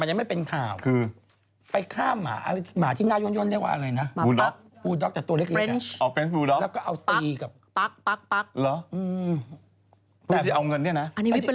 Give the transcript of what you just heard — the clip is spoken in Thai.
อันนี้เรียกว่าวิปริตนะวิปริตเลยล่ะก็คือมันกลายเป็นแบบว่าถ้าสมมุติมันเป็นวิป